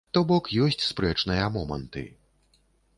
То бок, ёсць спрэчныя моманты.